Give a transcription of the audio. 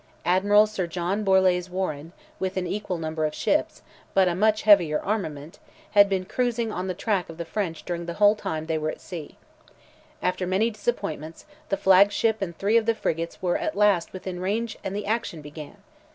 Admiral Sir John Borlase Warren, with an equal number of ships, but a much heavier armament, had been cruising on the track of the French during the whole time they were at sea. After many disappointments, the flag ship and three of the frigates were at last within range and the action began.